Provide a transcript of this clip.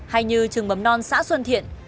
hay như trường mầm non xã xuân thiện